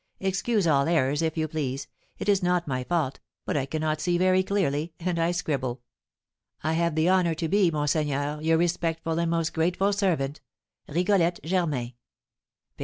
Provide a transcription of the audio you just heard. Excuse all errors, if you please; it is not my fault, but I cannot see very clearly, and I scribble. "I have the honour to be, monseigneur, your respectful and most grateful servant, "RIGOLETTE GERMAIN.